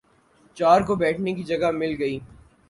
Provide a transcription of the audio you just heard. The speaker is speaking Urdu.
چار کو بیٹھنے کی جگہ مل گئی